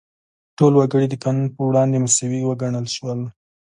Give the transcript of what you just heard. ټول وګړي د قانون په وړاندې مساوي وګڼل شول.